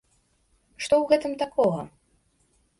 Што ў гэтым такога?